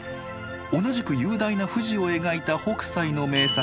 同じく雄大な富士を描いた北斎の名作